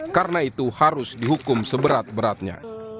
karena itu harus dihukum seberat beratnya